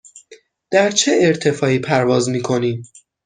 در چه ارتفاعی پرواز می کنیم؟